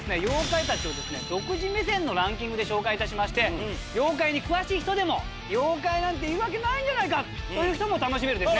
妖怪たちを独自目線のランキングで紹介いたしまして妖怪に詳しい人でも妖怪なんているわけないじゃないという人も楽しめる。